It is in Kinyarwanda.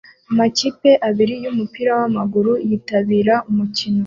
Amakipe abiri yumupira wamaguru yitabira umukino